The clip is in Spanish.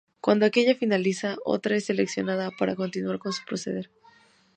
Cuando aquella finaliza, otra es seleccionada para continuar con su proceder.